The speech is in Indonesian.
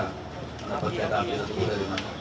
kenapa senjata api itu sudah dimana